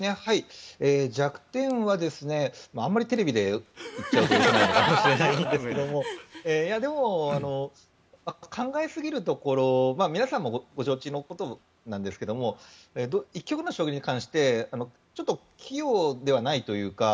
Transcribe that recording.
弱点はあまりテレビで言っちゃうといけないかもしれないんですけれども考えすぎるところ皆さんもご承知のことなんですが１局の将棋に関してちょっと器用ではないというか